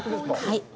はい。